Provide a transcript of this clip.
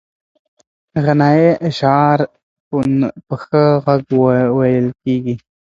غنایي اشعار په ښه غږ ویل کېږي.